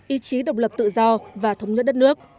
ý chí độc lập tự do và thống nhất đất nước